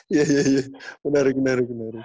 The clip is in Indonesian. iya iya iya menarik menarik menarik